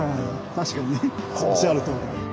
確かにおっしゃるとおりで。